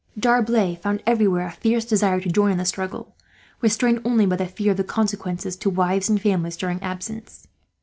D'Arblay found everywhere a fierce desire to join in the struggle, restrained only by the fear of the consequences to wives and families, during absence.